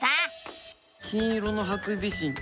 金色のハクビシン